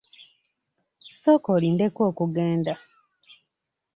Sooka olindeko okugenda.